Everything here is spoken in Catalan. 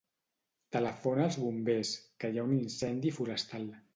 Telefona als bombers, que hi ha un incendi forestal.